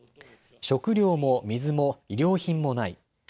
食料も水も医療品もない。